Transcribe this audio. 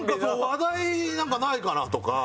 話題何かないかな？とか。